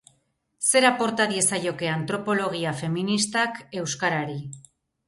Zer aporta diezioke antropologia feministak euskarari?